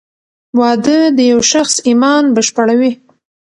واده د یو شخص ایمان بشپړوې.